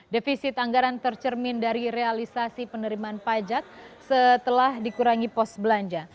defisit anggaran tercermin dari realisasi penerimaan pajak setelah dikurangi pos belanja